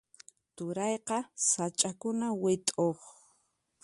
Turayqa sach'akuna wit'uq.